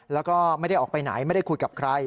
แล้วก็ไม่ได้ออกไปไหนไม่ได้คุยกับใคร